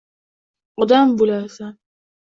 Odam bo’larsan.